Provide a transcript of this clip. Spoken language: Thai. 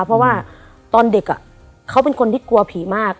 เพราะว่าตอนเด็กเขาเป็นคนที่กลัวผีมาก